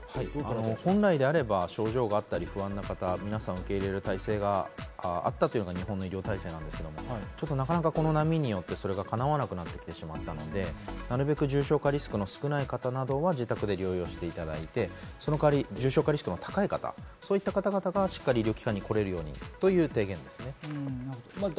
本来であれば症状があったり不安な方、皆さんを受け入れる体制があったというのが日本の医療体制なのですが、この波によって叶わなくなってしまったので重症化リスクの少ない方などは自宅療養していただいて、その代わり重症化リスクの高い方、そういった方々が医療機関にこられるような提言ですね。